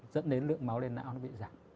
dẫn đến lượng máu lên não nó bị giảm